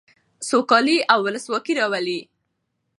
سوکالي او ولسواکي راولي.